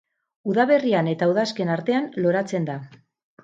Udaberrian eta udazken artean loratzen da.